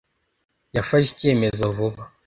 yafashe icyemezo vuba